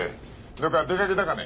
どっか出かけたかね？